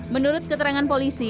menurut keterangan polisi